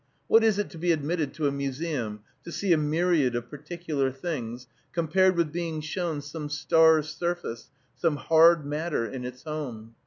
What is it to be admitted to a museum, to see a myriad of particular things, compared with being shown some star's surface, some hard matter in its home!